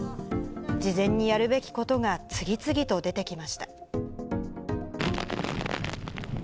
事前にやるべきことが次々と出てきました。